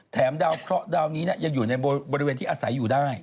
แถมดาวนี้ยังอยู่ในบริเวณที่อาศัยอยู่ได้